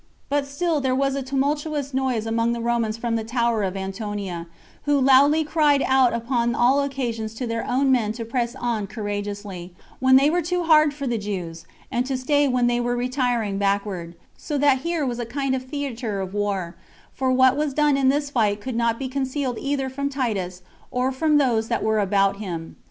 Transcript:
But still there was a tumultuous noise among the Romans from the tower of Antonia, who loudly cried out upon all occasions to their own men to press on courageously, when they were too hard for the Jews, and to stay when they were retiring backward; so that here was a kind of theater of war; for what was done in this fight could not be concealed either from Titus, or from those that were about him.